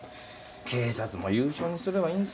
警察も有償にすればいいんすよ